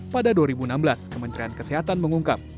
pada dua ribu enam belas kementerian kesehatan mengungkap